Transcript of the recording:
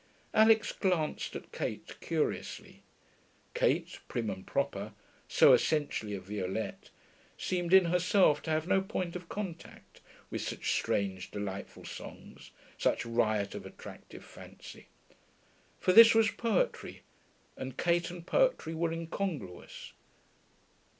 Alix glanced at Kate, curiously. Kate, prim and proper, so essentially of Violette, seemed in herself to have no point of contact with such strange, delightful songs, such riot of attractive fancy. For this was poetry, and Kate and poetry were incongruous.